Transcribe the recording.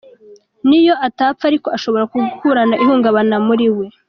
Niyo atapfa ariko ashobora gukurana ihungabana muri we”.